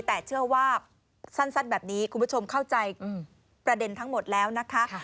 แต่เชื่อว่าสั้นแบบนี้คุณผู้ชมเข้าใจประเด็นทั้งหมดแล้วนะคะ